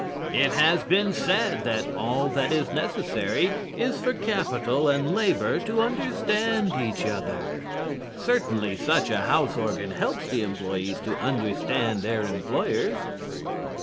It has been said that all that is necessary is for capital and labor to understand each other. Certainly such a house organ helps the employees to understand their employers.